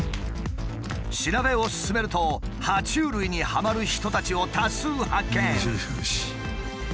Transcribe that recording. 調べを進めるとは虫類にはまる人たちを多数発見。